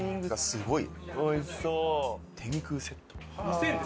すごい！